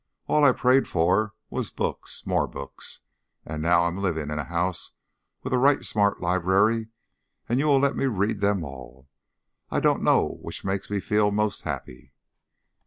All I prayed for was books, more books. And now I'm living in a house with a right smart library, and you will let me read them all. I don't know which makes me feel most happy."